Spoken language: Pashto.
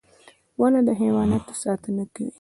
• ونه د حیواناتو ساتنه کوي.